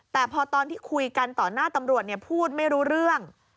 แต่พอตอนที่คุยกันต่อหน้าตำรวจพูดไม่รู้เรื่อง